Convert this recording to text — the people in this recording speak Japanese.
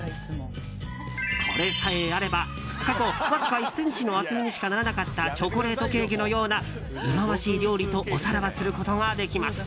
これさえあれば過去、わずか１ｃｍの厚みにしかならなかったチョコレートケーキのような忌まわしい料理とおさらばすることができます。